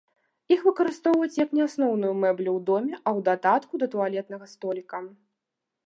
Іх выкарыстоўваюць як не асноўную мэблю ў доме, а ў дадатку да туалетнага століка.